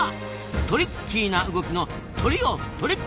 トリッキーな動きのトリを撮りッキーった！